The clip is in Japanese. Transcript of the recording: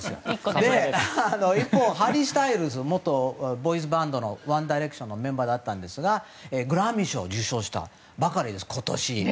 一方、ハリー・スタイルズ元ワン・ダイレクションのメンバーですがグラミー賞を受賞したばかりです今年。